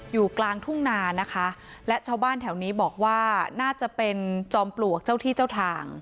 อยู่กลางทุ่งนานะคะและชาวบ้านแถวนี้บอกว่าน่าจะเป็นจอมปลวกเจ้าที่เจ้าทาง